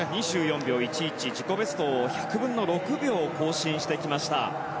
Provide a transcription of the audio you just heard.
２４秒１１自己ベストを１００分の６秒更新してきました。